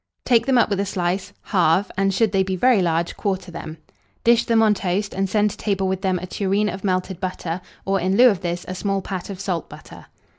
Take them up with a slice, halve, and, should they be very large, quarter them. Dish them on toast, and send to table with them a tureen of melted butter, or, in lieu of this, a small pat of salt butter.